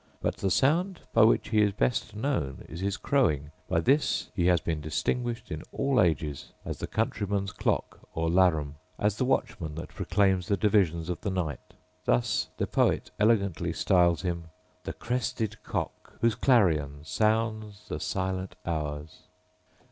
But the sound by which he is best known is his crowing: by this he has been distinguished in all ages as the countryman's clock or larum, as the watchman that proclaims the divisions of the night. Thus the poet elegantly styles him: … the crested cock, whose clarion sounds The silent hours.